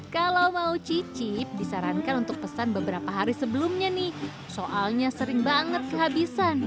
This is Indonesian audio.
kalau mau cicip disarankan untuk pesan beberapa hari sebelumnya nih soalnya sering banget kehabisan